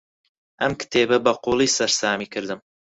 ئەم کتێبە بەقووڵی سەرسامی کردم.